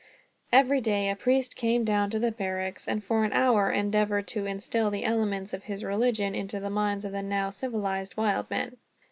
Every day a priest came down to the barracks, and for an hour endeavored to instill the elements of his religion into the minds of the now civilized wild men.